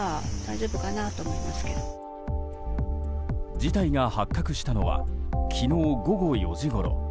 事態が発覚したのは昨日午後４時ごろ。